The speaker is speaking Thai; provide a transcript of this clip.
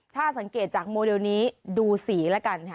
ถ้าสังเกตจากโมเดลนี้ดูสีแล้วกันค่ะ